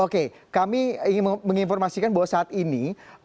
oke kami ingin menginformasikan bahwa saat ini